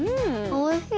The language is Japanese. おいしい。